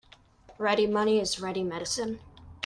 Ready money is ready medicine.